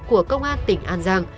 của công an tỉnh an giang